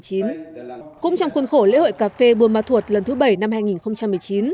cũng trong khuôn khổ lễ hội cà phê buôn ma thuột lần thứ bảy năm hai nghìn một mươi chín